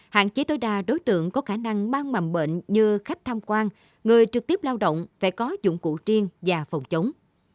hạn chế tối đa đối tượng có khả năng mang mầm bệnh như khách tham quan người trực tiếp lao động phải có dụng cụ riêng và phòng chống